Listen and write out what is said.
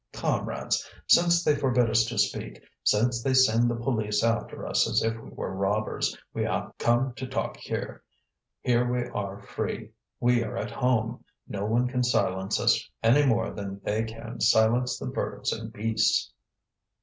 "Comrades, since they forbid us to speak, since they send the police after us as if we were robbers, we have come to talk here! Here we are free, we are at home. No one can silence us any more than they can silence the birds and beasts!"